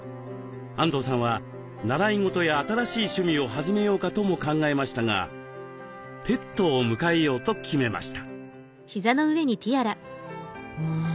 安藤さんは習い事や新しい趣味を始めようかとも考えましたがペットを迎えようと決めました。